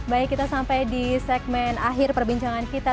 baik kita sampai di segmen akhir perbincangan kita